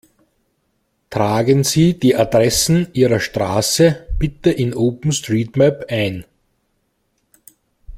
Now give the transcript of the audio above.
Tragen Sie die Adressen Ihrer Straße bitte in OpenStreetMap ein!